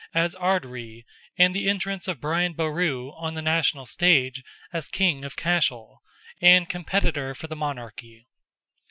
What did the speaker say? as Ard Righ, and the entrance of Brian Boru, on the national stage, as King of Cashel, and competitor for the monarchy.